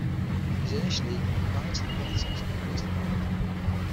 He is initially not into the politics of the police department.